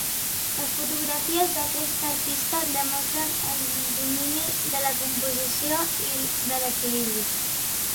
Les fotografies d’aquesta artista demostren el domini de la composició i de l'equilibri.